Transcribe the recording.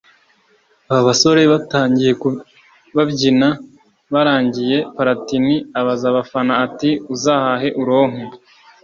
aba basore batangiye babyina barangiye Platini abaza abafana ati ’Uzahahe Uronke